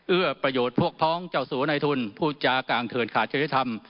เอื้อประโยชน์พวกพ้องเจ้าสัวในทุนพูดจาก่างเถินขาดจริยธรรม